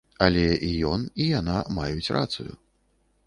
Але і ён, і яна маюць рацыю.